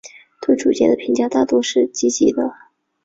对主角的评价大都是积极的。